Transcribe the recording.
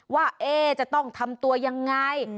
ว่าจะต้องทำตัวยังไง